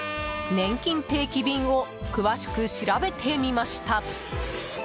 ねんきん定期便を詳しく調べてみました。